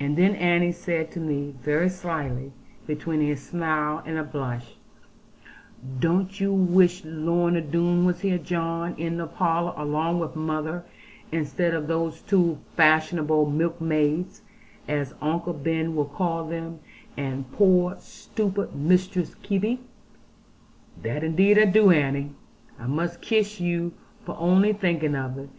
And then Annie said to me very slyly, between a smile and a blush, 'Don't you wish Lorna Doone was here, John, in the parlour along with mother; instead of those two fashionable milkmaids, as Uncle Ben will call them, and poor stupid Mistress Kebby?' 'That indeed I do, Annie. I must kiss you for only thinking of it.